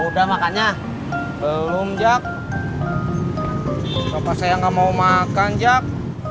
udah makannya belum jak bapak saya nggak mau makan jak